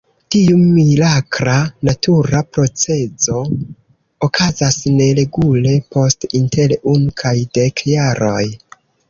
Tiu mirakla natura procezo okazas neregule, post inter unu kaj dek jaroj.